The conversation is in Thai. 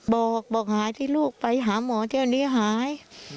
บอกบอกหายที่ลูกไปหาหมอเที่ยวนี้หาย